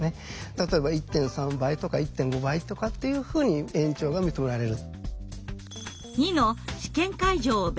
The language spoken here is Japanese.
例えば１．３倍とか１．５倍とかっていうふうに延長が認められる。